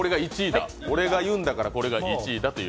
俺が言うんだからこれが１位だと。